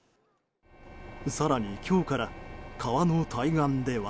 更に今日から川の対岸では。